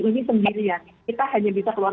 ini sendirian kita hanya bisa keluar